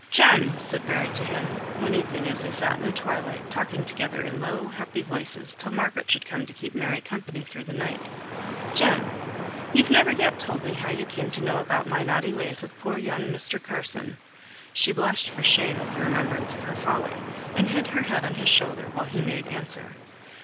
"Jem!" said Mary to him, one evening as they sat in the twilight, talking together in low happy voices till Margaret should come to keep Mary company through the night, "Jem! you've never yet told me how you came to know about my naughty ways with poor young Mr. Carson." She blushed for shame at the remembrance of her folly, and hid her head on his shoulder while he made answer.